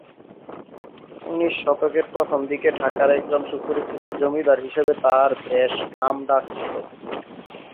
উনিশ শতকের প্রথম দিকে ঢাকার একজন সুপরিচিত জমিদার হিসেবে তার বেশ নাম ডাক ছিল।